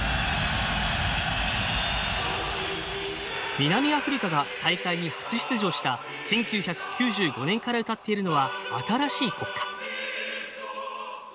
南アフリカが大会に初出場した１９９５年から歌っているのは新しい国歌。